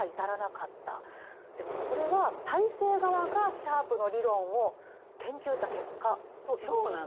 これは体制側がシャープの理論を研究した結果と言えるんですよね。